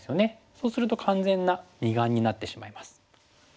そうすると完全な二眼になってしまいます。